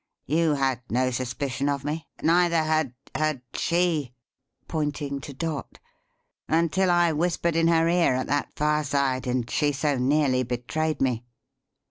You had no suspicion of me; neither had had she," pointing to Dot, "until I whispered in her ear at that fireside, and she so nearly betrayed me."